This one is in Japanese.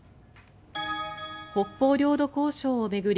北方領土交渉を巡り